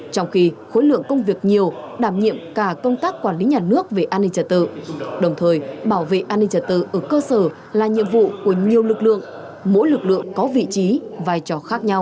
trong khi khối lượng công việc nhiều đảm nhiệm cả công tác quản lý nhà nước về an ninh trật tự đồng thời bảo vệ an ninh trật tự ở cơ sở là nhiệm vụ của nhiều lực lượng mỗi lực lượng có vị trí vai trò khác nhau